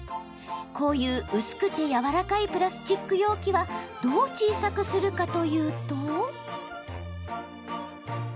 こういう薄くてやわらかいプラスチック容器はどう小さくするかというと。